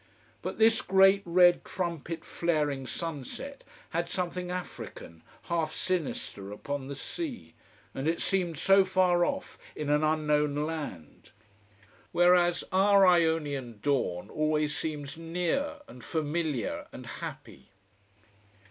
But this great red, trumpet flaring sunset had something African, half sinister, upon the sea: and it seemed so far off, in an unknown land. Whereas our Ionian dawn always seems near and familiar and happy.